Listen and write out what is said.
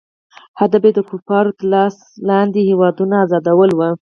هدف یې د کفارو تر لاس لاندې هیوادونو آزادول وو.